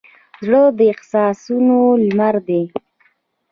زړه د احساسونو لمر دی.